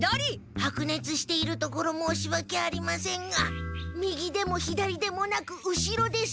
はくねつしているところ申しわけありませんが右でも左でもなく後ろです。